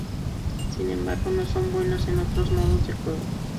Sin embargo, no son buenos en otros modos de juego.